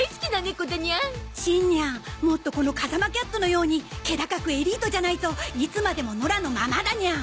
もっとこの風間キャットのように気高くエリートじゃないといつまでも野良のままだニャン！